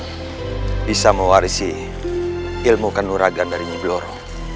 aku bisa mewarisi ilmu kenuragan dari nyi bloro